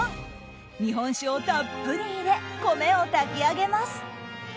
日本酒をたっぷり入れ米を炊き上げます。